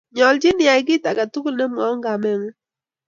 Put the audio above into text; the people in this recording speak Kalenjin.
nyoljiin iyai kiit agetugul nemwoun kameng'uny